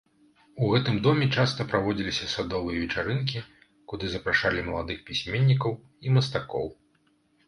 У гэтым доме часта праводзіліся садовыя вечарынкі, куды запрашалі маладых пісьменнікаў і мастакоў.